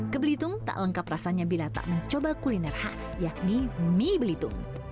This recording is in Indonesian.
ke belitung tak lengkap rasanya bila tak mencoba kuliner khas yakni mie belitung